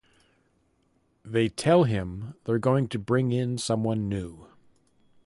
They tell him they're going to bring in someone new.